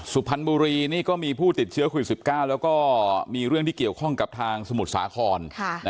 สุพรรณบุรีนี่ก็มีผู้ติดเชื้อโควิด๑๙แล้วก็มีเรื่องที่เกี่ยวข้องกับทางสมุทรสาคร